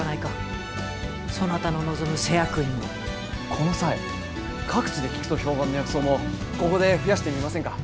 この際各地で効くと評判の薬草もここで増やしてみませんか？